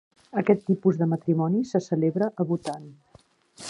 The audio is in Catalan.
Aquest tipus de matrimoni se celebra a Bhutan.